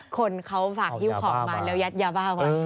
คนเขาฝากฮิ้วของมาแล้วยัดยาบ้าไว้